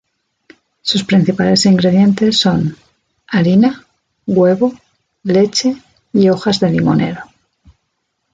Sus principales ingredientes son: harina, huevo, leche y hojas de limonero.